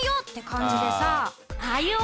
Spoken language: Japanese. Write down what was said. って感じでさ。